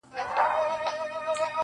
ملنگ خو دي وڅنگ ته پرېږده,